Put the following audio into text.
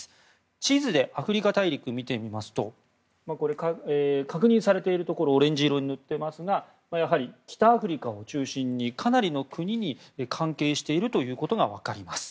地図でアフリカ大陸を見てみますと確認されているところはオレンジ色に塗っていますがやはり北アフリカを中心にかなりの国と関係しているということが分かります。